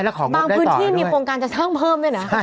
บางพื้นที่มีโครงการจะสร้างเพิ่มด้วยนะ